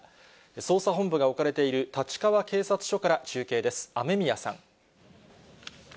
捜査本部が置かれている立川警察署から中継です。